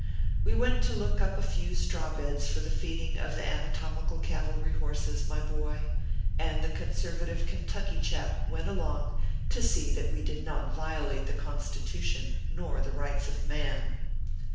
We went to look up a few straw beds for the feeding of the Anatomical Cavalry horses, my boy, and the conservative Kentucky chap went along to see that we did not violate the Constitution nor the rights of man.